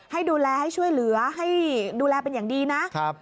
ให้ดูแลให้ช่วยเหลือให้ดูแลเป็นอย่างดีนะครับ